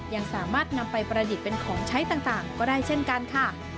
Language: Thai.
ยังสามารถนำไปประดิษฐ์เป็นของใช้ต่างก็ได้เช่นกันค่ะ